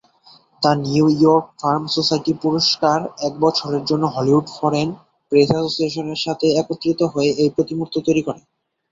The New York firm society পুরস্কার এক বছরের জন্য হলিউড ফরেন প্রেস অ্যাসোসিয়েশনের সাথে একত্রিত হয়ে এই প্রতিমূর্তি তৈরি করে।